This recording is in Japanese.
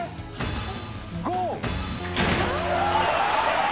ゴー。